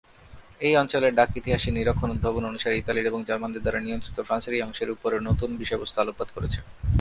এই অঞ্চলের ডাক ইতিহাসের নিরক্ষণ/উদ্ভাবন অনুসারে ইতালির এবং জার্মানদের দ্বারা নিয়ন্ত্রিত ফ্রান্সের এই অংশের উপরে নতুন বিষয়বস্তু আলোকপাত করেছে।